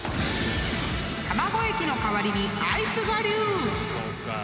［卵液の代わりにアイス我流！］